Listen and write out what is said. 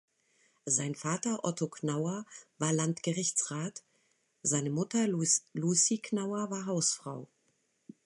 Sein Vater Otto Knauer war Landgerichtsrat, seine Mutter Lucie Knauer war Hausfrau.